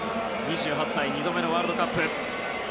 ２８歳２度目のワールドカップ。